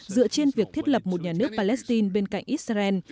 dựa trên việc thiết lập một nhà nước palestine bên cạnh israel